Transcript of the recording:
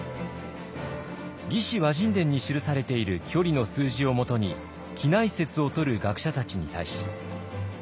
「魏志倭人伝」に記されている距離の数字をもとに畿内説をとる学者たちに対し。